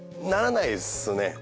ならないですね。